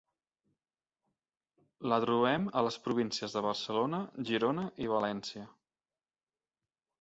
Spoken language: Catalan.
La trobem a les províncies de Barcelona, Girona i València.